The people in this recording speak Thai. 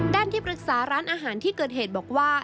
ที่ปรึกษาร้านอาหารที่เกิดเหตุบอกว่า